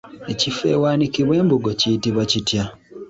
Ekifo awaanikibwa embugo kiyitibwa kitya?